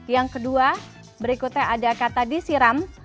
yang kedua berikutnya ada kata disiram